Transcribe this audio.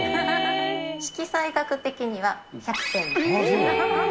色彩学的には１００点。